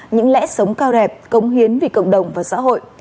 những lẽ sống cao đẹp công hiến vì cộng đồng và xã hội